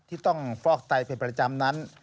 ที่ต้องฟอกไตเป็นประจำนั้น